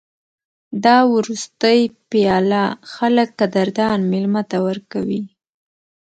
دا وروستۍ پیاله خلک قدردان مېلمه ته ورکوي.